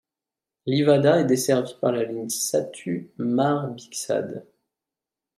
Livada est desservie par la ligne Satu Mare-Bixad.